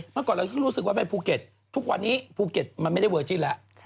เมื่อก่อนเราก็รู้สึกว่าไปภูเก็ตทุกวันนี้ภูเก็ตมันไม่ได้เวอร์จิ้นแล้ว